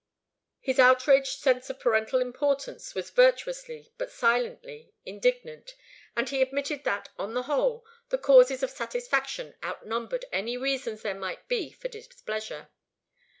His outraged sense of parental importance was virtuously, but silently, indignant, and he admitted that, on the whole, the causes of satisfaction outnumbered any reasons there might be for displeasure.